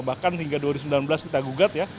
bahkan hingga dua ribu sembilan belas kita gugat ya